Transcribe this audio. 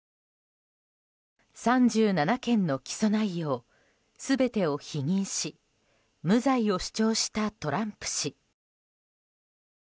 ３７件の起訴内容全てを否認し無罪を主張したトランプ氏。